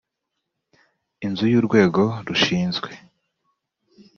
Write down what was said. inzu y urwego rushinzwe